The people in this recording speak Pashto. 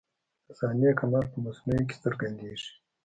د صانع کمال په مصنوعي کي څرګندېږي.